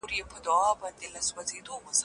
په ژوندون مي نصیب نه سوې